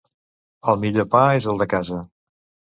El millor pa és el de casa.